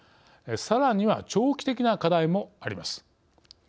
さらには長期的な課題もあります。